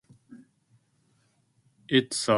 It serves Nawalgarh town.